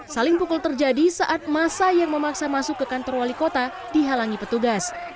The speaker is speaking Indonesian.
saling pukul terjadi saat masa yang memaksa masuk ke kantor wali kota dihalangi petugas